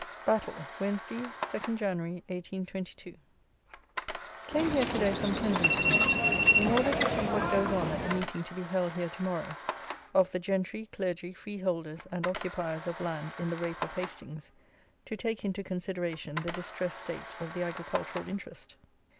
Battle, Wednesday, 2 Jan. 1822. Came here to day from Kensington, in order to see what goes on at the Meeting to be held here to morrow, of the "Gentry, Clergy, Freeholders, and Occupiers of Land in the Rape of Hastings, to take into consideration the distressed state of the Agricultural interest."